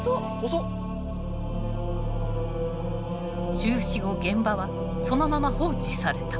中止後現場はそのまま放置された。